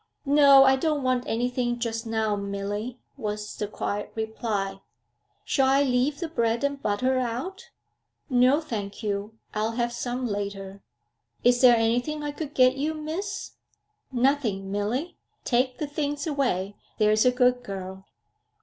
'No, I don't want anything just now, Milly,' was the quiet reply. 'Shall I leave the bread and butter out?' 'No, thank you. I'll have some later.' 'Is there anything I could get you, Miss?' 'Nothing, Milly. Take the things away, there's a good girl.'